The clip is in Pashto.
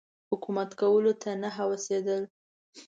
حکومت کولو ته نه هوسېدل.